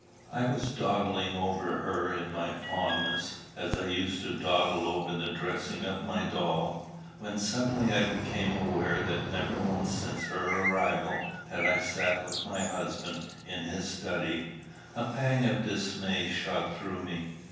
I was dawdling over her in my fondness, as I used to dawdle over the dressing of my doll, when suddenly I became aware that never once since her arrival had I sat with my husband in his study. A pang of dismay shot through me.